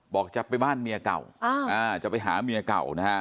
บอกจะไปหาเมียเก่า